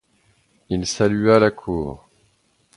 Il salua la cour